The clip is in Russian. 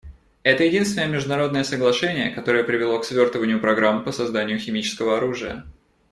Это единственное международное соглашение, которое привело к свертыванию программ по созданию химического оружия.